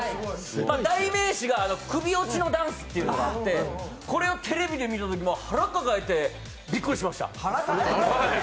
代名詞が、首落ちダンスというのがあって、これをテレビで見て腹抱えてびっくりしました。